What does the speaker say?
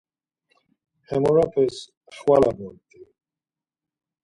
Hemeropes xvala bort̆i.